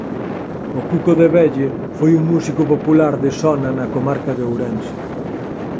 O Cuco de Velle foi un músico popular de sona na comarca de Ourense.